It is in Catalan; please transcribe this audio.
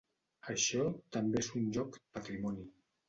Això també és un lloc patrimoni.